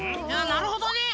なるほどね。